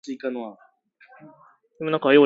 Bismuth excess may cause stomatitis.